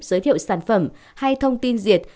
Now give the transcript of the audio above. giới thiệu sản phẩm hay thông tin diệt